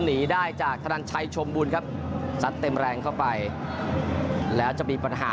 หนีได้จากธนันชัยชมบุญครับซัดเต็มแรงเข้าไปแล้วจะมีปัญหา